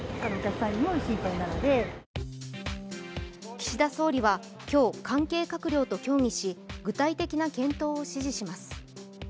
岸田総理は今日、関係閣僚と協議し、具体的な検討を指示します。